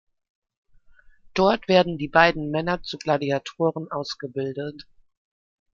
Dort werden die beiden Männer zu Gladiatoren ausgebildet.